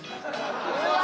うわ！